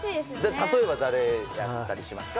例えば誰だったりしますか？